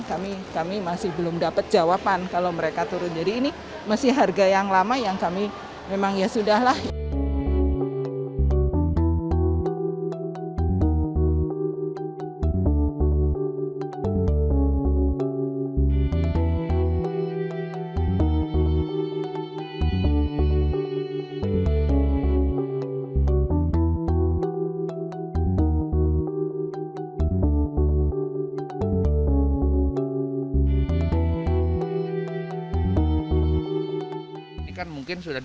kami masih belum dapat jawaban kalau mereka turun jadi ini masih harga yang lama yang kami memang ya sudah lah